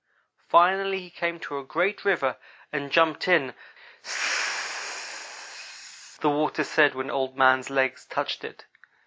Finally he came to a great river, and jumped in. Sizzzzzzz the water said, when Old man's legs touched it.